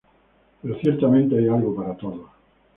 Pero ciertamente hay algo para todos.